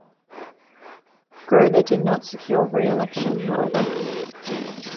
Grover did not secure re-election, however.